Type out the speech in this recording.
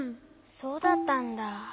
そうだったんだ。